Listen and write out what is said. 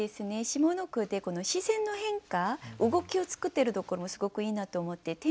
下の句で視線の変化動きを作ってるところもすごくいいなと思って。